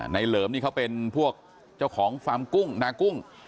เหลิมนี่เขาเป็นพวกเจ้าของฟาร์มกุ้งนากุ้ง